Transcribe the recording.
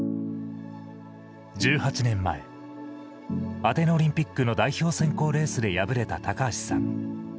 １８年前、アテネオリンピックの代表選考レースで敗れた高橋さん。